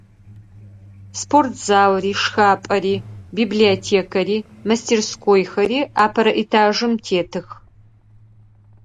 Спортзалри, шхапӏэри, библиотекэри, мастерскойхэри апэрэ этажым тетых.